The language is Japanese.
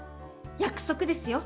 約束ですよ！